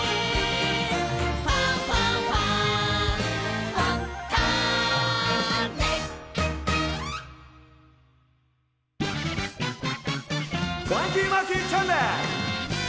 「ファンファンファン」「ファンキーマーキーチャンネル」。